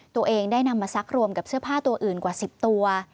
ตัวเองได้นำมาซักรวมกับเสื้อผ้าตัวอื่นกว่า๑๐ตัว